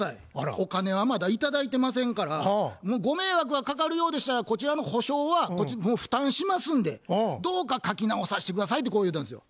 お金はまだ頂いてませんからご迷惑がかかるようでしたらこちらの補償はもう負担しますんでどうか描き直さして下さい」ってこう言うたんですよ。